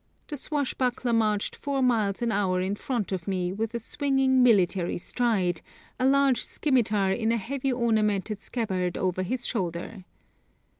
The swashbuckler marched four miles an hour in front of me with a swinging military stride, a large scimitar in a heavily ornamented scabbard over his shoulder.